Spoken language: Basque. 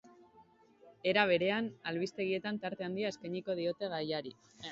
Era berean, albistegietan tarte handia eskainiko diote gaiari.